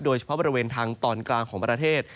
โดยเฉพาะบริเวณทางตอนกลางของประเทศ